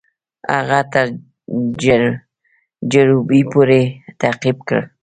هغه تر جروبي پوري تعقیب کړ.